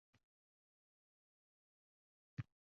Uff, o‘zgarmayapti. Nega?